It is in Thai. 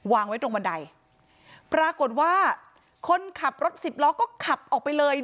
วางไว้ตรงบันไดปรากฏว่าคนขับรถสิบล้อก็ขับออกไปเลย